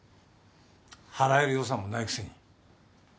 払える予算もないくせに。